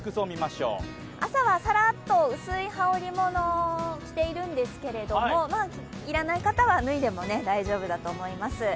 朝はさらっと薄い羽織り物を着ているんですが、要らない方は脱いでも大丈夫だと思います。